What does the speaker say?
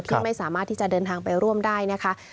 ไม่สามารถที่จะเดินทางไปร่วมได้นะคะ